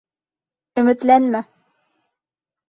Өмөтләнмә!